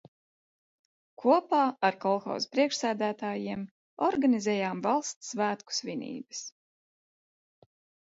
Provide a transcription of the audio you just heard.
Kopā ar kolhozu priekšsēdētājiem organizējām valsts svētku svinības.